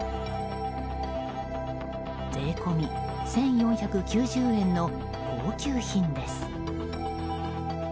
税込み１４９０円の高級品です。